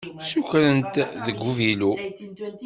Ssukren-t deg uvilu.